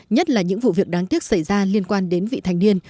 nhất là những vụ việc đáng tiếc xảy ra liên quan đến vị thành niên